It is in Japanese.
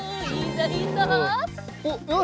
よし。